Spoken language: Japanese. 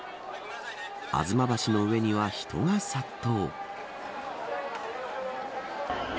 吾妻橋の上には人が殺到。